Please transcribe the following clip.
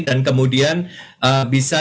dan kemudian bisa